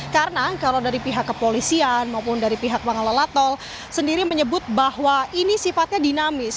karena kalau dari pihak kepolisian maupun dari pihak pengelola tol sendiri menyebut bahwa ini sifatnya dinamis